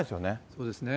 そうですね。